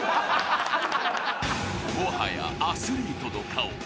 ［もはやアスリートの顔］